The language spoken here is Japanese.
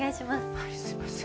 はいすみません